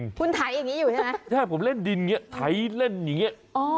คุณไถอย่างนี้อยู่ใช่ไหมใช่ผมเล่นดินอย่างเงี้ไถเล่นอย่างเงี้